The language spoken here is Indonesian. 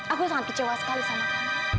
aku sangat kecewa sekali sama kamu